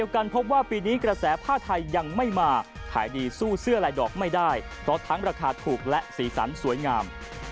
กระแสผ้าไทยยังไม่มาถ่ายดีสู้เสื้อไลน์ดอกไม่ได้เพราะทั้งราคาถูกและสีสันสวยงาม